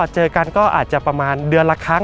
เจอกันก็อาจจะประมาณเดือนละครั้ง